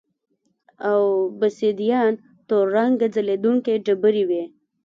اوبسیدیان تور رنګه ځلېدونکې ډبرې وې